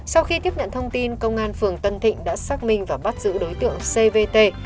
sau khi tiếp nhận thông tin công an phường tân thịnh đã xác minh và bắt giữ đối tượng cvt